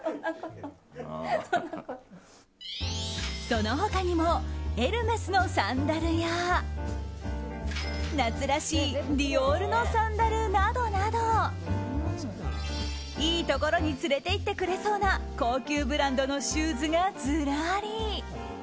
その他にもエルメスのサンダルや夏らしいディオールのサンダルなどなどいいところに連れていってくれそうな高級ブランドのシューズがずらり！